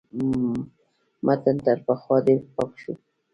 متن تر پخوا ډېر پاک شو.